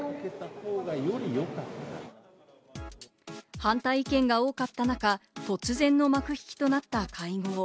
反対意見が多かった中、突然の幕引きとなった会合。